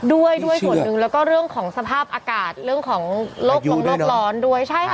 ด้วยด้วยส่วนหนึ่งแล้วก็เรื่องของสภาพอากาศเรื่องของโรคลงโลกร้อนด้วยใช่ค่ะ